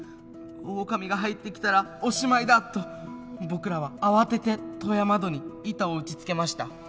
オオカミが入ってきたらおしまいだと僕らは慌てて戸や窓に板を打ちつけました。